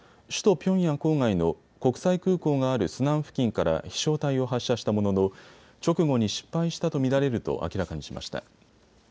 首都ピョンヤン郊外の国際空港があるスナン付近から飛しょう体を発射したものの直後に失敗したと見られると明らかにしました。